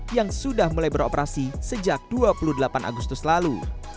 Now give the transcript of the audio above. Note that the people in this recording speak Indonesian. yang sudah mulai beroperasi sejak dua puluh delapan agustus lalu